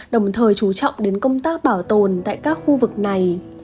đồng thời chú trọng đến công tác bảo tồn tại các khu vực này